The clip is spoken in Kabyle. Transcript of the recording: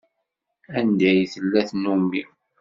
Anda i tella tnumi.